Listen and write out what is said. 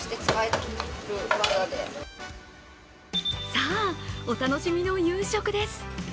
さあ、お楽しみの夕食です。